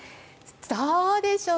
どうでしょう。